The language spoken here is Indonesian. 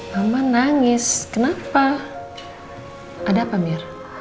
mama nangis kenapa ada apa biar